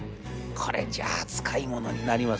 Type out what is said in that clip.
これじゃあ使い物になりません。